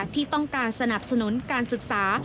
ที่ต้องการสนับสนุนการศึกษา